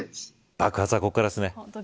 爆発はここからですね。